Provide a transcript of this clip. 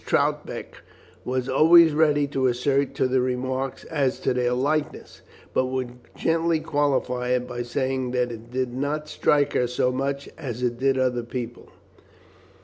Troutbeck was always ready to assent to the remark as to their likeness, but would gently qualify it by saying that it did not strike her so much as it did other people.